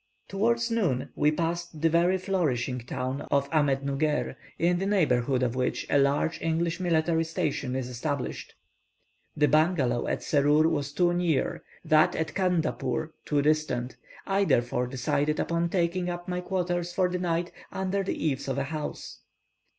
Towards noon we passed the very flourishing town of Ahmednugger, in the neighbourhood of which a large English military station is established. 12th March. The bungalow at Serur was too near, that at Candapoor too distant. I therefore decided upon taking up my quarters for the night under the eaves of a house.